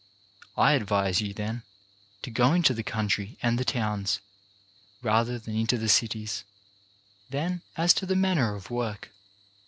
I advise you, then, to go into the country and the towns, rather than into the cities. Then, as to the manner of work.